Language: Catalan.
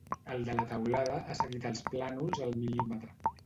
El de la teulada ha seguit els plànols al mil·límetre.